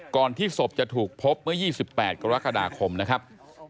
ที่ศพจะถูกพบเมื่อ๒๘กรกฎาคมนะครับ